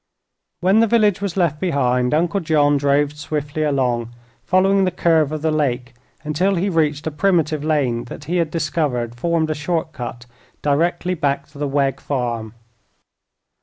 When the village was left behind, Uncle John drove swiftly along, following the curve of the lake until he reached a primitive lane that he had discovered formed a short cut directly back to the Wegg farm.